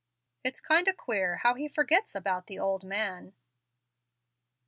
"It's kind o' queer how he forgits about the old man."